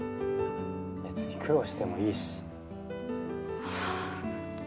別に苦労してもいいしはあ